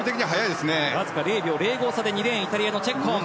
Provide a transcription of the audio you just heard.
わずか０秒０５差でイタリアのチェッコン。